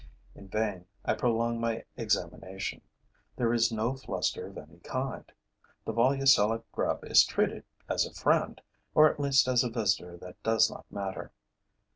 In vain I prolong my examination: there is no fluster of any kind. The Volucella grub is treated as a friend, or at least as a visitor that does not matter.